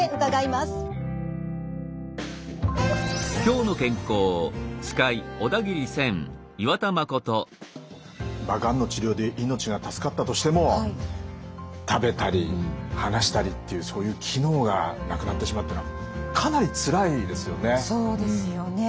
まあがんの治療で命が助かったとしても食べたり話したりっていうそういう機能がなくなってしまうっていうのはかなりつらいですよね。